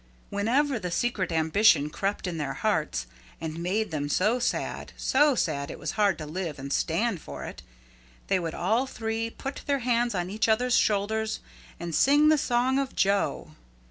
Whenever the secret ambition crept in their hearts and made them too sad, so sad it was hard to live and stand for it, they would all three put their hands on each other's shoulder and sing the song of Joe.